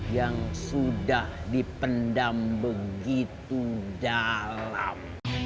yang sudah dipendam begitu dalam